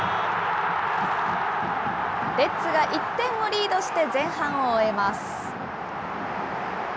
レッズが１点をリードして、前半を終えます。